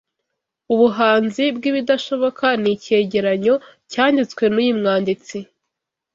Ubuhanzi bwibidashoboka ni icyegeranyo cyanditswe nuyu mwanditsi